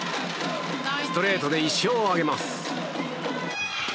ストレートで１勝を挙げます。